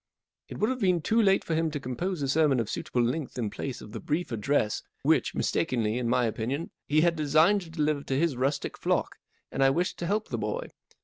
It would have been too late for him to compose a sermon of suitable length in place of the brief address which—mistakenly, in my opinion—he had designed to deliver to his rustic flock, and I wished to help the boy.